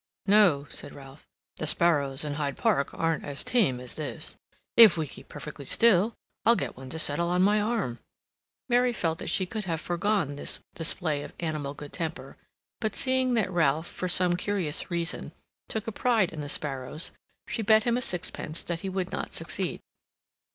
"No," said Ralph. "The sparrows in Hyde Park aren't as tame as this. If we keep perfectly still, I'll get one to settle on my arm." Mary felt that she could have forgone this display of animal good temper, but seeing that Ralph, for some curious reason, took a pride in the sparrows, she bet him sixpence that he would not succeed.